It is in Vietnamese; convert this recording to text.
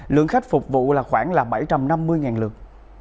lượng khách phục vụ là khoảng bảy trăm năm mươi lượt